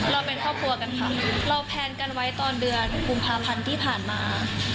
เราเป็นครอบครัวกันค่ะเราแพลนกันไว้ตอนเดือนกุมภาพันธ์ที่ผ่านมา